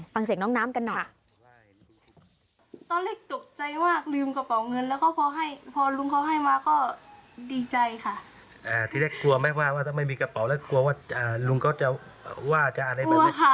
ฟังเสร็จน้องน้ำกันหน่อย